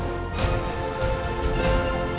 apanya al dan roy